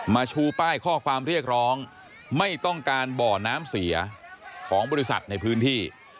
ชูป้ายข้อความเรียกร้องไม่ต้องการบ่อน้ำเสียของบริษัทในพื้นที่